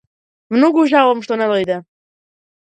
Многу жалам што не дојде.